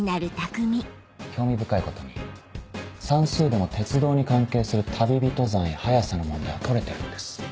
興味深いことに算数でも鉄道に関係する旅人算や速さの問題は取れてるんです。